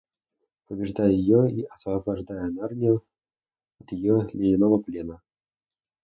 побеждая ее и освобождая Нарнию от ее ледяного плена.